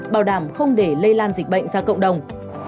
bảo đảm không để lây lan dịch bệnh ra cộng đồng